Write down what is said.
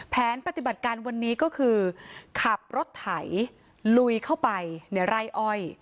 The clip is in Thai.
แผนปฏิบัติการวันนี้ก็คือขับรถไถลุยเข้าไปในไร่อ้อย